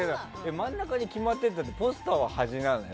真ん中に決まっててポスターは端なの？